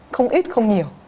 không ít không nhiều